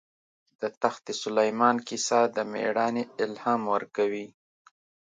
د تخت سلیمان کیسه د مېړانې الهام ورکوي.